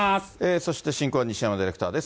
そして進行は西山ディレクターです。